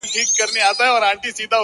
یاره وتله که چيري د خدای خپل سوې,